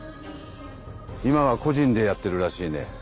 今は個人でやってるらしいね。